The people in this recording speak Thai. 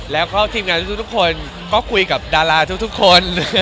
แล้วก็ทีมงานทุกคนก็คุยกับดาราทุกคน